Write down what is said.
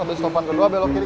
lalu stopan kedua belok kiri